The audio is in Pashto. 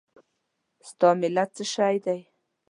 ستا ملت څه شی دی؟